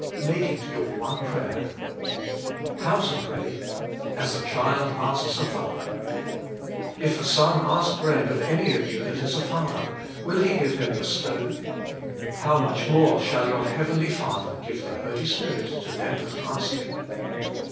Make it your one prayer. now TO PRAY. JU a CIjtia asks a SFatljer "If a son ask bread of any of you that is a father, will he give him a stone f How much more shall your Heavenly Father give the Holy Spirit to them that ask Him?"